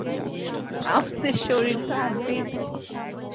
আমাদের শরীর তো আঁটবেই না!